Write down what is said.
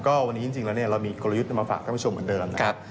ก็วันนี้จริงแล้วเนี่ยเรามีกลยุทธ์มาฝากท่านผู้ชมเหมือนเดิมนะครับ